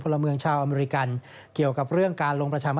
ละเมืองชาวอเมริกันเกี่ยวกับเรื่องการลงประชาม